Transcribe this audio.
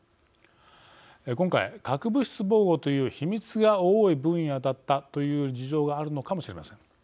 今回核物質防護という秘密が多い分野だったという事情があるのかもしれません。